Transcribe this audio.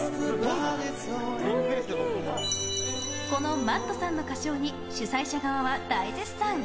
このＭａｔｔさんの歌唱に主催者側は大絶賛。